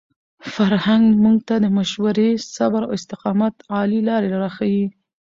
فرهنګ موږ ته د مشورې، صبر او استقامت عالي لارې راښيي.